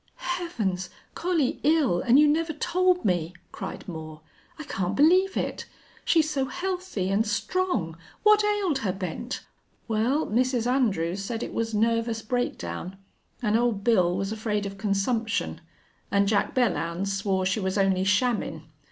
"Heavens! Collie ill and you never told me!" cried Moore. "I can't believe it. She's so healthy and strong. What ailed her, Bent?" "Well, Mrs. Andrews said it was nervous breakdown. An' Old Bill was afraid of consumption. An' Jack Belllounds swore she was only shammin'."